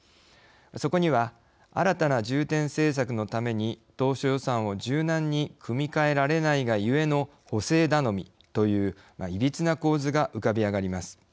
そこには新たな重点政策のために当初予算を柔軟に組み替えられないがゆえの補正頼みといういびつな構図が浮かび上がります。